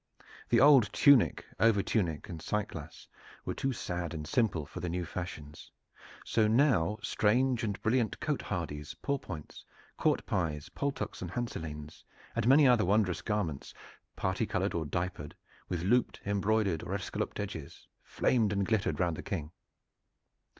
The old tunic, over tunic and cyclas were too sad and simple for the new fashions, so now strange and brilliant cote hardies, pourpoints, courtepies, paltocks, hanselines and many other wondrous garments, parti colored or diapered, with looped, embroidered or escalloped edges, flamed and glittered round the King.